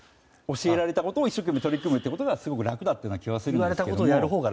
教えられたことを一生懸命取り組むほうがすごく楽だった気がするんです。